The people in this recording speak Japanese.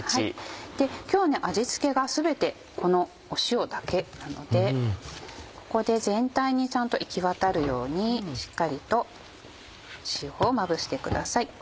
今日は味付けが全てこの塩だけなのでここで全体にちゃんと行きわたるようにしっかりと塩をまぶしてください。